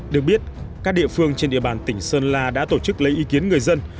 được biết các địa phương trên địa bàn tỉnh sơn la đã tổ chức lấy ý kiến người dân